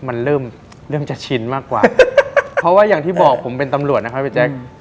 มันเริ่มเริ่มจะชินมากกว่าเพราะว่าอย่างที่บอกผมเป็นตำรวจนะครับพี่แจ๊ค